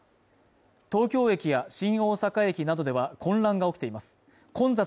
東京駅や新大阪駅などでは混雑が起きています